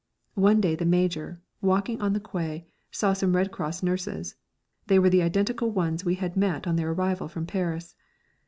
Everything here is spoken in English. One day the Major, walking on the quay, saw some Red Cross nurses. They were the identical ones we had met on their arrival from Paris.